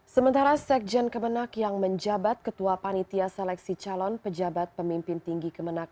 sementara sekjen kemenak yang menjabat ketua panitia seleksi calon pejabat pemimpin tinggi kemenang